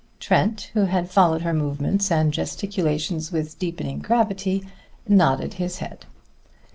Trent, who had followed her movements and gesticulations with deepening gravity, nodded his head.